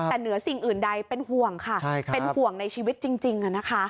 แต่เหนือสิ่งอื่นใดเป็นห่วงค่ะเป็นห่วงในชีวิตจริง